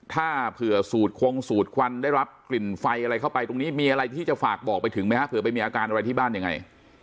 ถ้าเผื่อสูดคงสูดควันได้รับกลิ่นไฟอะไรเข้าไปตรงนี้มีอะไรที่จะฝากบอกไปถึงไหมฮะเผื่อไปมีอาการอะไรที่บ้านยังไง